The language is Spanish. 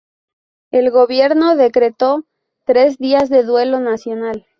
El gobierno decretó tres días de duelo nacional.